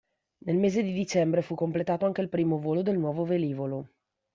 Nel mese di dicembre fu completato anche il primo volo del nuovo velivolo.